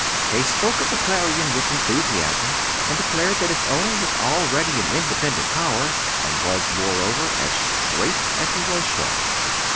They spoke of the Clarion with enthusiasm, and declared that its owner was already an independent power, and was, moreover, as "straight" as he was sharp.